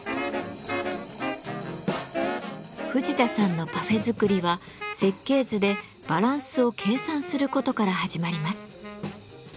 藤田さんのパフェ作りは設計図でバランスを計算することから始まります。